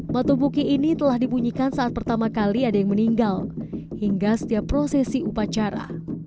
batu buki ini telah dibunyikan saat pertama kali ada yang meninggal hingga setiap prosesi upacara